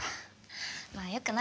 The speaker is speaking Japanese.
まあよくないか。